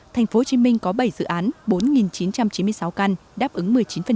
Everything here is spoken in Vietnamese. thành phố hồ chí minh có bảy dự án bốn chín trăm chín mươi sáu căn đáp ứng một mươi chín